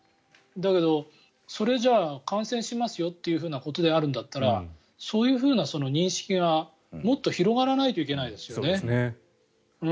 だけど、それじゃ感染しますよってことであればそういうふうな認識がもっと広がらないといけないですよね。